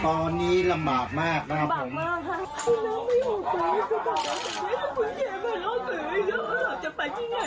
ตอนนี้ลำบากมากนะครับผม